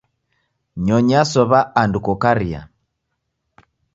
Nyonyi yasow'a andu kokaria.